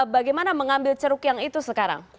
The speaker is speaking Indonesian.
bagaimana mengambil ceruk yang itu sekarang